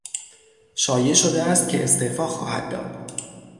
شایع شده است که استعفا خواهد داد.